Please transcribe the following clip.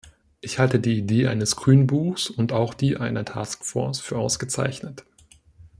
Ich halte die Idee eines Grünbuchs und auch die einer Task-force für ausgezeichnet.